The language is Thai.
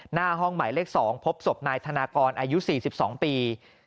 หน้าห้องหมายเลข๒พบศพนายธนากรอายุ๔๒ปี